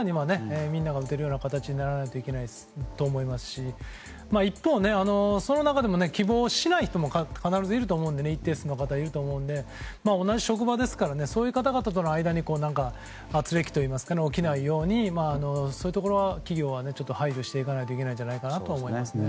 みんなが打てるようにならないといけないと思いますし一方、その中でも希望しない人も必ず一定数の方いると思うので同じ職場ですからそういう方々の間に軋轢といいますが起きないようにそういうところを企業は配慮していかなきゃいけないんじゃないかなとは思いますね。